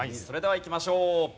それではいきましょう。